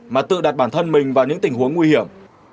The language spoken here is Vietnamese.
mà tự đặt bản thân mình vào những tình huống nguy hiểm